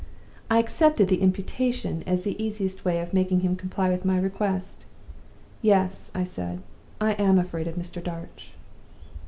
I accepted the imputation, as the easiest way of making him comply with my request. 'Yes,' I said, 'I am afraid of Mr. Darch.